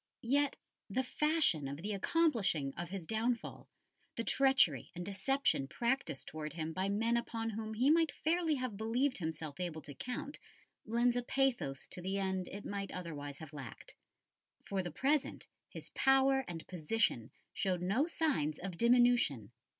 Yet the fashion of the accomplishing of his downfall, the treachery and deception practised towards him by men upon whom he might fairly have believed himself able to count, lend a pathos to the end it might otherwise have lacked. For the present his power and position showed no signs of diminution.